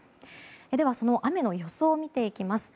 では、その雨の予想を見ていきます。